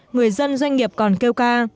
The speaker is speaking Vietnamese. người dân doanh nghiệp còn kêu ca